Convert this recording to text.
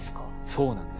そうなんです。